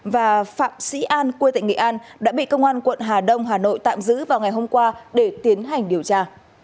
và phạm sĩ an quê tại nghệ an đã bị công an quận hà đông hà nội tạm giữ vào ngày hôm qua để tiến hành điều tra